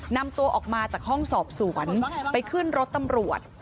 นำตัวออกมาจากห้องสอบสวนไปขึ้นรถตำรวจ